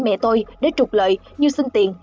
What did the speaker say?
mẹ tôi để trục lợi như xin tiền